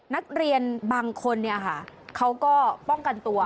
นักเรียนบางคนเนี่ยค่ะเขาก็ป้องกันตัว